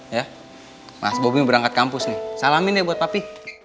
ya mas bobby mau berangkat kampus nih salamin deh buat papi